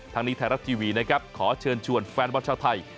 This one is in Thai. ทางนี้ไทยรัฐทีวีนะครับขอเชิญชวนแฟนบอลชาวไทย